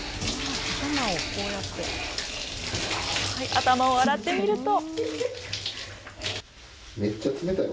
頭を洗ってみると。